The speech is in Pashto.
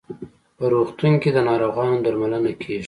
په روغتون کې د ناروغانو درملنه کیږي.